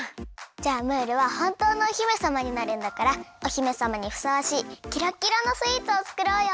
じゃあムールはほんとうのお姫さまになるんだからお姫さまにふさわしいキラキラのスイーツをつくろうよ。